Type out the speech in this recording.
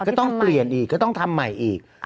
ก็ต้องเปลี่ยนอีกก็ต้องทำใหม่อีก